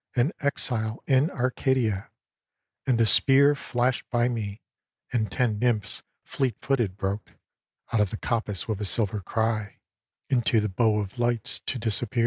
An exile in Arcadia, and a spear Flashed by me, and ten nymphs fleet footed broke Out of the coppice with a silver cry, Into the bow of lights to disappear.